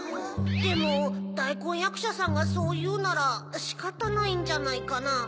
でもだいこんやくしゃさんがそういうならしかたないんじゃないかなぁ。